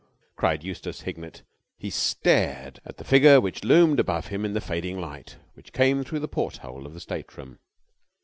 cried Eustace Hignett. He stared at the figure which loomed above him in the fading light which came through the porthole of the stateroom.